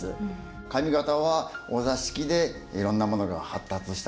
上方はお座敷でいろんなものが発達したと言えますよね。